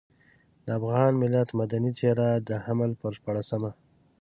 د افغان ملت مدني څېره د حمل پر شپاړلسمه.